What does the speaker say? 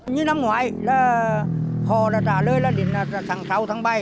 như năm ngoái họ trả lời là đến tháng sáu tháng bảy